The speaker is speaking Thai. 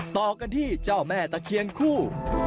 ต่อกันที่เจ้าแม่ตะเคียนคู่